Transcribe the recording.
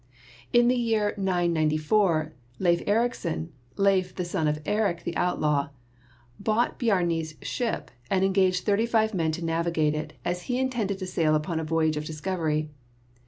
In the year 994 Leif Erikson — Leif the son of Erik the outlaw — bought Bj ami's ship and engaged thirty five men to navigate it, as he intended to sail upon a voyage of dis covery.